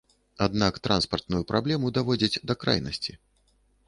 Аднак транспартную праблему даводзяць да крайнасці.